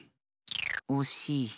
おしい。